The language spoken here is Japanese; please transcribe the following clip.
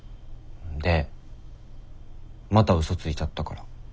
でまた嘘ついちゃったから。